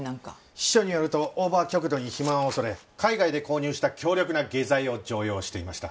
秘書によると大庭は極度に肥満を恐れ海外で購入した強力な下剤を常用していました。